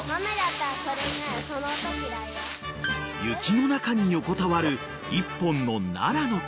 ［雪の中に横たわる１本の］